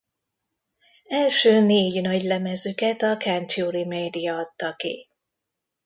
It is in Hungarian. Első négy nagylemezüket a Century Media adta ki.